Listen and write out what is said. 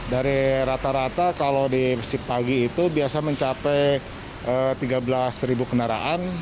dari rata rata kalau di masjid pagi itu biasa mencapai tiga belas kendaraan